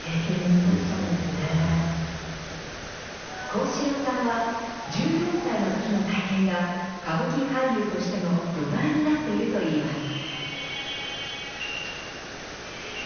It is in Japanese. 幸四郎さんは、１４歳のときの体験が歌舞伎俳優としての土台になっているといいます。